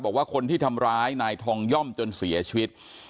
บอกว่าคนที่ทำร้ายนายทองย่อมจนเสียชีวิต